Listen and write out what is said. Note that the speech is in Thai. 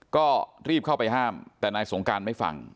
ก็รีบเข้าไปห้ามแต่นายสงการไม่ฟัง